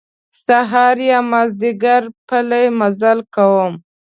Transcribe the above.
سهار یا مازیګر پلی مزل کوم.